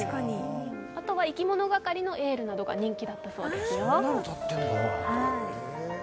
あとはいきものがかりの「エール」が人気だったそうです。